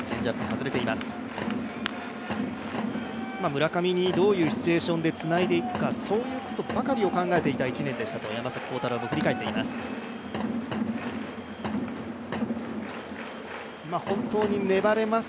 村上にどういうシチュエーションでつないでいくか、そういうことばかりを考えていた１年でしたと山崎晃大朗は振り返っています。